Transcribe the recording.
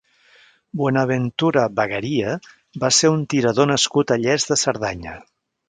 Buenaventura Bagaria va ser un tirador nascut a Lles de Cerdanya.